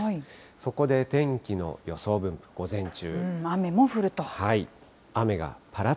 そこで天気の予想分布、午前中。